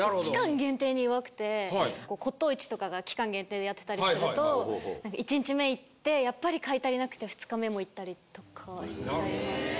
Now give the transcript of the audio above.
骨董市とかが期間限定でやってたりすると１日目行ってやっぱり買い足りなくて２日目も行ったりとかしちゃいます。